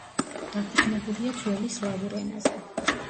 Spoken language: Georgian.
დაფუძნებულია ძველი სლავურ ენაზე.